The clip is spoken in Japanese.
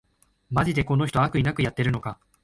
マジでこの人、悪意なくやってるのか